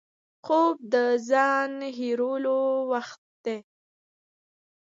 خوب د ځان هېرولو وخت دی